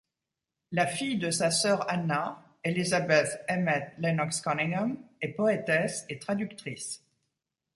La fille de sa sœur Anna, Elizabeth Emmet Lenox-Conyngham, est poétesse et traductrice.